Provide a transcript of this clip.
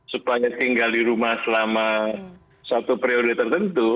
supaya tinggal di rumah selama satu periode tertentu